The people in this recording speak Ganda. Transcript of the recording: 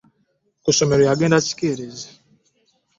Ku ssomero yagenda kikeerezi.